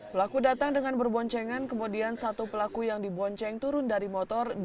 pelaku datang dengan berboncengan kemudian satu pelaku yang dibonceng turun dari motor